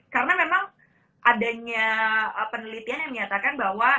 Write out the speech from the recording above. karena memang adanya penelitian yang menyatakan bahwa